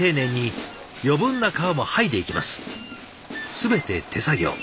全て手作業。